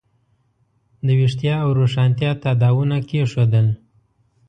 د ویښتیا او روښانتیا تاداوونه کېښودل.